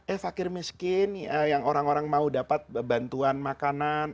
eh fakir miskin yang orang orang mau dapat bantuan makanan